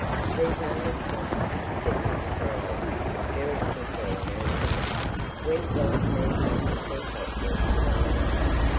These are the times," said Mr Farolles, very simply and earnestly, "when God means us to be helpful to one another."